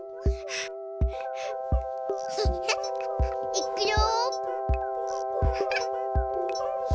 いっくよ。